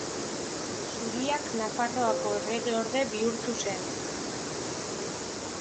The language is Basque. Zuriak Nafarroako erregeorde bihurtu zen.